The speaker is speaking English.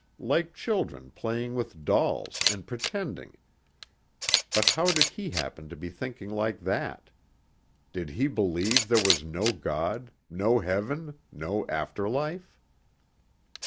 Like children playing with dolls and pretending.... But how did he happen to be thinking like that? Did he believe there was no God, no heaven, no after life?